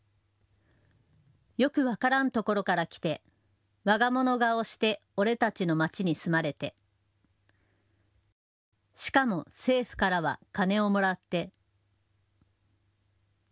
よく分からんところから来て我が物顔して俺たちの街に住まれてしかも政府からは金をもらって。